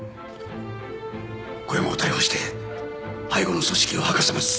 小山を逮捕して背後の組織を吐かせます。